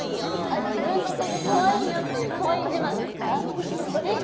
あっ自分の子がかわいいよっていうかわいい自慢ですか？